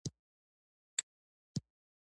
اتڼ دطالبانو هډوکے دچرګانو